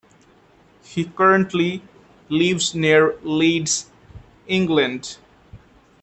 He currently lives near Leeds, England.